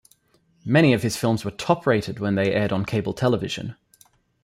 Many of his films were top rated when they aired on cable television.